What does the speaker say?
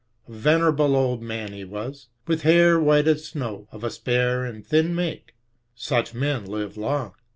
A venera ble old man he was, with hair white as snow, of a spare and thin make. Such men live long.